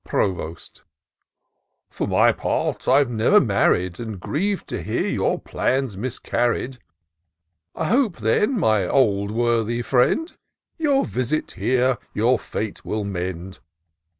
Provost* " For my part, I have never married, And grieve to hear your plans miscarried : I hope, then, my old worthy friend. Your visit here your fate will mend.